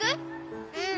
うん。